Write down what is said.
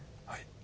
はい。